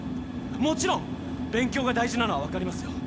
もちろん勉強が大事なのは分かりますよ。